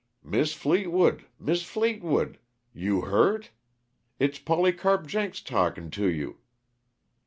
"Mis' Fleetwood Mis' Fleetwood! You hurt? It's Polycarp Jenks talkin' to you!"